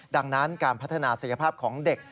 ดังนั้นการพัฒนาศักยภาพของเด็ก